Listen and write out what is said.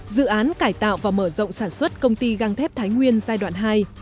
dự án cải tạo và mở rộng sản xuất công ty găng thép thái nguyên giai đoạn hai